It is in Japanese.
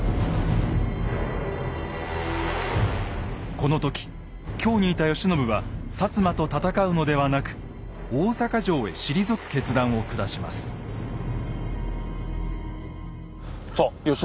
この時京にいた慶喜は摩と戦うのではなく大坂城へ退く決断を下します。